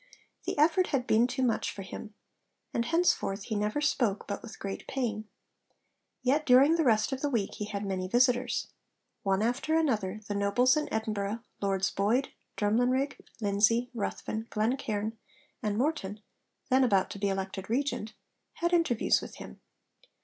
The effort had been too much for him, and henceforth he never spoke but with great pain. Yet during the rest of the week he had many visitors. One after another the nobles in Edinburgh, Lords Boyd, Drumlanrig, Lindsay, Ruthven, Glencairn, and Morton (then about to be elected Regent) had interviews with him.